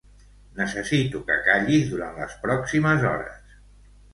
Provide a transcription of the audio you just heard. Necessito que callis durant les pròximes hores.